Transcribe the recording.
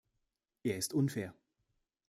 Er ist unfair.